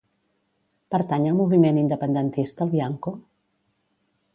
Pertany al moviment independentista el Bianco?